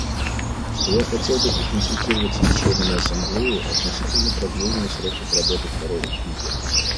Я хотел бы проконсультироваться с членами Ассамблеи относительно продления сроков работы Второго комитета.